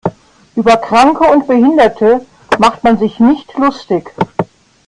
Über Kranke und Behinderte macht man sich nicht lustig.